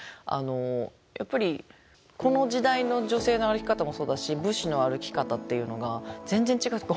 やっぱりこの時代の女性の歩き方もそうだし武士の歩き方っていうのが全然違うっていうか